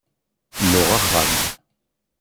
Nuɣ axxam.